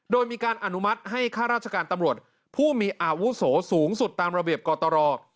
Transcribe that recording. โดยมีการอนุมัติให้ข้าราชการตำรวจผู้มีอาวุโสสูงสุดตามระเบียบกตร